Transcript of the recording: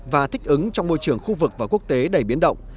và thích ứng trong môi trường khu vực và quốc tế đầy biến động